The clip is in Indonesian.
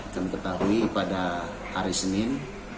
kami ketahui pada hari senin